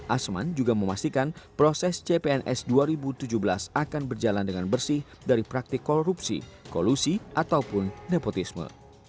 asman juga memastikan proses cpns dua ribu tujuh belas akan berjalan dengan bersih dari praktik korupsi kolusi ataupun nepotisme